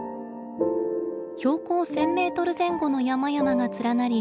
標高１，０００メートル前後の山々が連なり